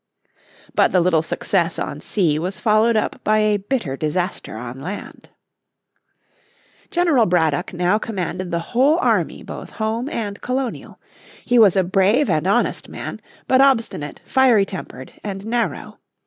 But the little success on sea was followed up by a bitter disaster on land. General Braddock now commanded the whole army both home and colonial. He was a brave and honest man, but obstinate, fiery tempered and narrow.